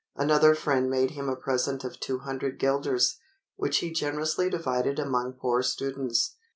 Another friend made him a present of 200 guilders, which he generously divided among poor students.